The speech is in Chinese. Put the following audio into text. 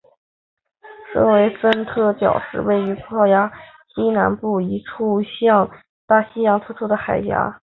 圣维森特角是位于葡萄牙西南部一处向大西洋突出的海岬。